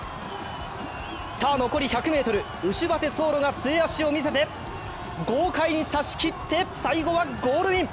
さあ残り１００ｍ、ウシュバテソーロが末足を見せて、豪快に差し切って最後はゴールイン。